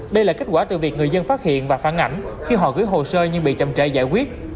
đây là kết quả từ việc người dân phát hiện và phản ảnh khi họ gửi hồ sơ nhưng bị chậm trại giải quyết